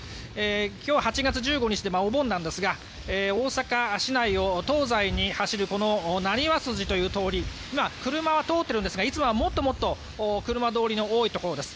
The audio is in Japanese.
今日８月１５日でお盆なんですが大阪市内を東西に走るこのなにわ筋という通り今、車は通っているんですがいつもはもっともっと車通りの多い通りです。